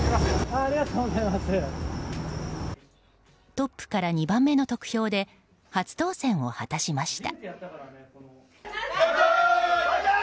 トップから２番目の得票で初当選を果たしました。